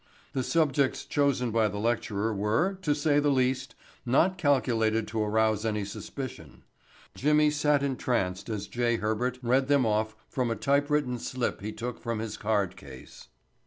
The subjects chosen by the lecturer were, to say the least, not calculated to arouse any suspicion. Jimmy sat entranced as J. Herbert read them off from a typewritten slip he took from his card case.